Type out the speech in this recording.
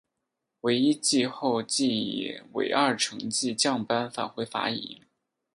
惟一季后即以尾二成绩降班返回法乙。